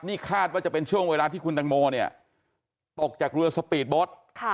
นี่คาดว่าจะเป็นช่วงเวลาที่คุณตังโมเนี่ยตกจากเรือสปีดโบ๊ท